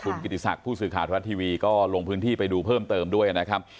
คุณกิติศักดิ์ผู้สื่อข่าวทรัฐทีวีก็ลงพื้นที่ไปดูเพิ่มเติมด้วยนะครับ